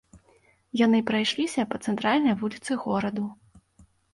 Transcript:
Яны прайшліся па цэнтральнай вуліцы гораду.